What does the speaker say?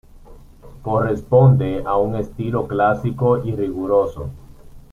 Corresponde a un estilo clásico y riguroso.